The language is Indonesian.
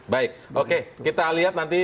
baik oke kita lihat nanti